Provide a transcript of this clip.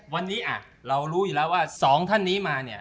วันนี้เรารู้อยู่แล้วว่าสองท่านนี้มาเนี่ย